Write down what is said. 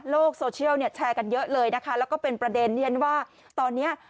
โซเชียลเนี่ยแชร์กันเยอะเลยนะคะแล้วก็เป็นประเด็นที่ฉันว่าตอนนี้